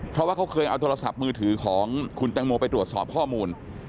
เพราะว่าเขาเคยเอาโทรศัพท์มือถือของคุณแตงโมไปตรวจสอบข้อมูล